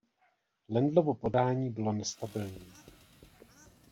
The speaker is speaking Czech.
Lendlovo podání bylo nestabilní.